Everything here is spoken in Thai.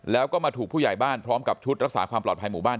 แล้วก็มาถูกผู้ใหญ่บ้านพร้อมกับชุดรักษาความปลอดภัยหมู่บ้าน